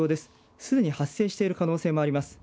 すでに発生している可能性もあります。